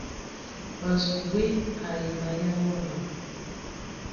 Ma zu we ai manyaŋ wama.